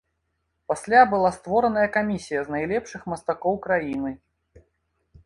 Пасля была створаная камісія з найлепшых мастакоў краіны.